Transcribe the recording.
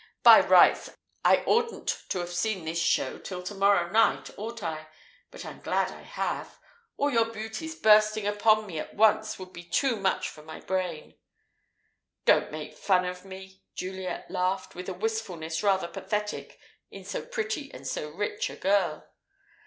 By rights, I oughtn't to have seen this show till to morrow night, ought I? But I'm glad I have. All your beauties bursting upon me at once would be too much for my brain." "Don't make fun of me," Juliet laughed, with a wistfulness rather pathetic in so pretty and so rich a girl.